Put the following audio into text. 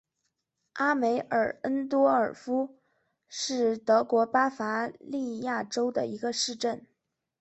阿梅尔恩多尔夫是德国巴伐利亚州的一个市镇。